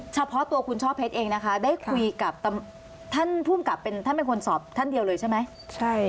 เฉพาะตัวคุณช่อเพชรเองนะคะได้คุยกับท่านภูมิกับเป็นท่านเป็นคนสอบท่านเดียวเลยใช่ไหม